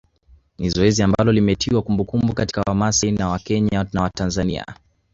Ni zoezi ambalo limetiwa kumbukumbu katika Wamasai wa Kenya na Tanzania